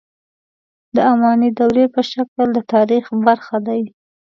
د اماني دورې په شکل د تاریخ برخه دي.